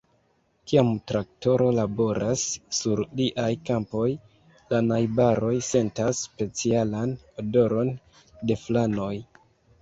Kiam traktoro laboras sur liaj kampoj, la najbaroj sentas specialan odoron de flanoj.